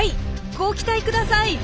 ご期待ください。